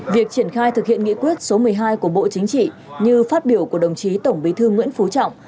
việc triển khai thực hiện nghị quyết số một mươi hai của bộ chính trị như phát biểu của đồng chí tổng bí thư nguyễn phú trọng